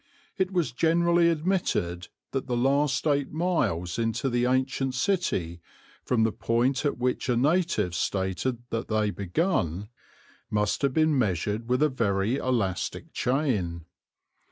It was generally admitted that the last eight miles into the ancient city, from the point at which a native stated that they begun, must have been measured with a very elastic chain.